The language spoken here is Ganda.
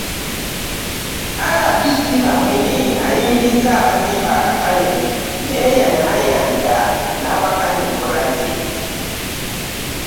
RDC Bamwine ayimirizza abazimba akatale mmeeya Namayanja n'awakanya enkola ze